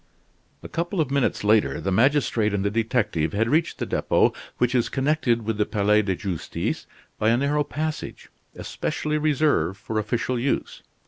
A couple of minutes later, the magistrate and the detective had reached the Depot, which is connected with the Palais de Justice by a narrow passage, especially reserved for official use.